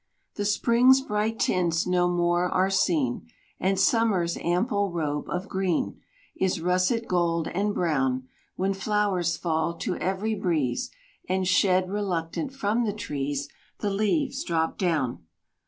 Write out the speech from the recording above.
The Spring's bright tints no more are seen, And Summer's ample robe of green Is russet gold and brown; When flowers fall to every breeze And, shed reluctant from the trees, The leaves drop down.